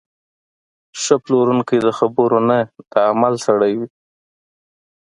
ښه پلورونکی د خبرو نه، د عمل سړی وي.